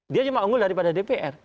dia cuma unggul daripada dpr